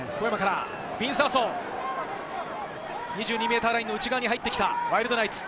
・アソ、２２ｍラインの内側に入ってきたワイルドナイツ。